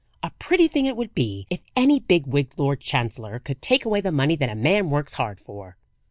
A pretty thing it would be if any big wigged Lord Chancellor could take away the money that a man works hard for!"